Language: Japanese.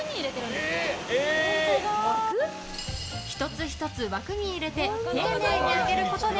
１つ１つ枠に入れて丁寧に揚げることで